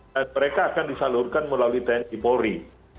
dan mereka akan disalurkan melalui tni dan polri